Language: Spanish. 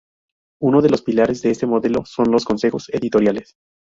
Uno de los pilares de este modelo son los consejos editoriales.